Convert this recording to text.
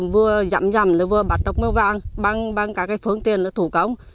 vừa giảm giảm vừa bắt ốc bưu vàng bằng các phương tiền thủ công